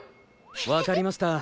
わかりました。